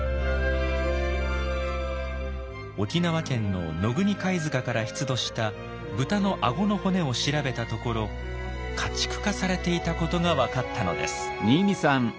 沖縄県の野国貝塚から出土したブタの顎の骨を調べたところ家畜化されていたことが分かったのです。